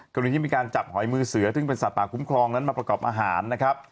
ตอนนี้มีการจับหอยมือเสือซึ่งเป็นสัตว์ป่าคุ้มครองมาประกอบอาหาร